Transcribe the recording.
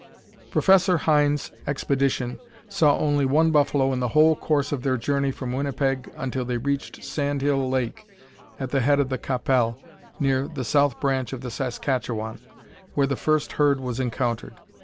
Professor Hind's expedition saw only one buffalo in the whole course of their journey from Winnipeg until they reached Sand Hill Lake, at the head of the Qu'Appelle, near the south branch of the Saskatchewan, where the first herd was encountered.